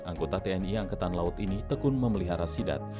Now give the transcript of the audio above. anggota tni angkatan laut ini tekun memelihara sidat